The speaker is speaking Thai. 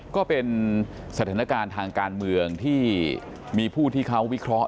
ก็เป็นสถานการณ์ทางการเมืองที่มีผู้ที่เขาวิเคราะห